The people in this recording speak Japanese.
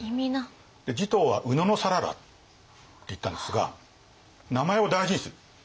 持統は野讃良っていったんですが名前を大事にする。